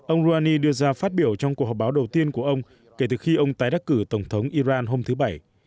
ông rouhani đưa ra phát biểu trong cuộc họp báo đầu tiên của ông kể từ khi ông tái đắc cử tổng thống iran hôm thứ bảy